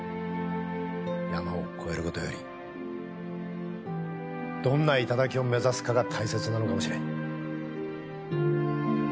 山を越える事よりどんな頂を目指すかが大切なのかもしれん。